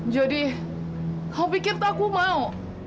jody kau pikir tuh aku mau